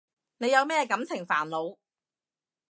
你有咩感情煩惱？